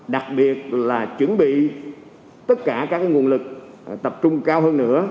đặc biệt là chuẩn bị tất cả các nguồn lực tập trung cao hơn nữa